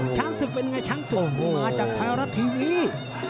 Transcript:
ช้างศึกเป็นไงช้างศึกมาจากไทยรัฐทีวี